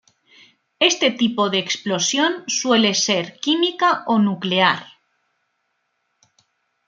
Este tipo de explosión suele ser química o nuclear.